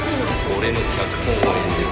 「俺の脚本を演じろ」